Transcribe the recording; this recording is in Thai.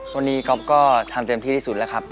วันนี้ก๊อฟก็ทำเต็มที่ที่สุดแล้วครับ